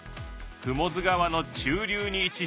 雲出川の中流に位置している。